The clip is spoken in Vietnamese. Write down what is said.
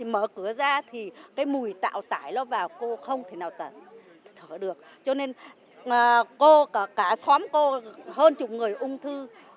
mở cửa ra thì cái mùi tạo tải nó vào cô không thể nào tận thở thở được cho nên cô cả xóm cô hơn chục người ung thư